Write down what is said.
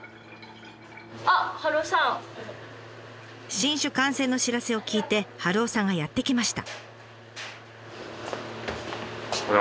新酒完成の知らせを聞いて春雄さんがやって来ました。